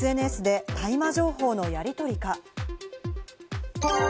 ＳＮＳで大麻情報のやり取りか。